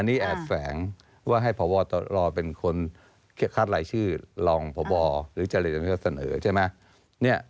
อันนี้แอบแฝงว่าให้พบตรเป็นคนคัดรายชื่อรองพบหรือเจริญก็เสนอใช่ไหม